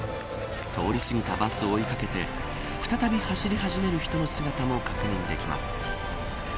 通り過ぎたバスを追い掛けて再び走り始める人の姿も確認できます。